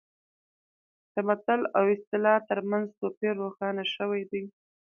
د متل او اصطلاح ترمنځ توپیر روښانه شوی دی